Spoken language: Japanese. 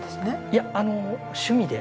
いやあの趣味で。